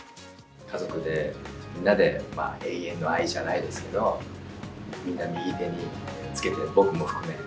家族でみんなで、永遠の愛じゃないですけど、みんな右手につけて、僕も含め。